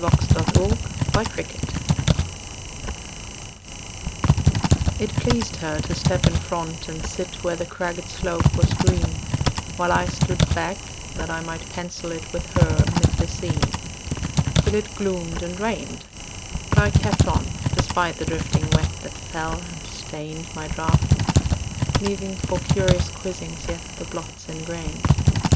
THE FIGURE IN THE SCENE IT pleased her to step in front and sit Where the cragged slope was green, While I stood back that I might pencil it With her amid the scene; Till it gloomed and rained; But I kept on, despite the drifting wet That fell and stained My draught, leaving for curious quizzings yet The blots engrained.